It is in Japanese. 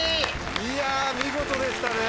いや見事でしたね。